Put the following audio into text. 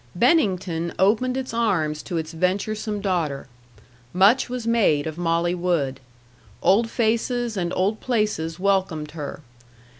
Bennington opened its arms to its venturesome daughter. Much was made of Molly Wood. Old faces and old places welcomed her.